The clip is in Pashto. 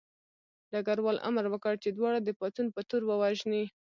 ډګروال امر وکړ چې دواړه د پاڅون په تور ووژني